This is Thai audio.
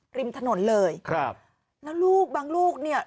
ริมถนนเลยครับแล้วลูกบางลูกเนี่ย